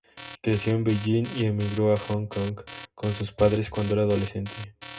Creció en Beijing y emigró a Hong Kong con sus padres cuando era adolescente.